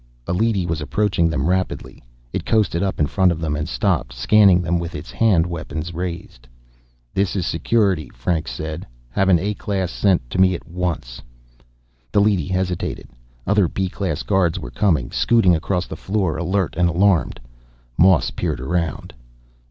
A leady was approaching them rapidly. It coasted up in front of them and stopped, scanning them with its hand weapon raised. "This is Security," Franks said. "Have an A class sent to me at once." The leady hesitated. Other B class guards were coming, scooting across the floor, alert and alarmed. Moss peered around.